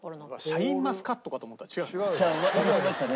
シャインマスカットかと思ったら違うんだね。